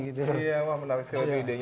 wah menarik sekali ide ide